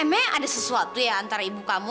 emangnya ada sesuatu ya antara ibu kamu dan om yos